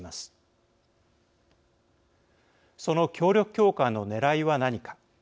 その協力強化のねらいは何か。